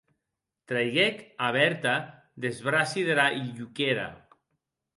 Treiguec a Berthe des braci dera hilhuquèra.